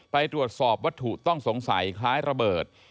ไปตรวจสอบวัตถุต้องสงสัยคล้ายระเบิด